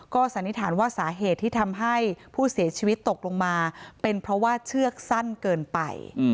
สันนิษฐานว่าสาเหตุที่ทำให้ผู้เสียชีวิตตกลงมาเป็นเพราะว่าเชือกสั้นเกินไป